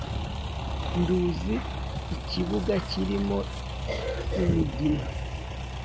Nduzi ikibuga kirimo imigina.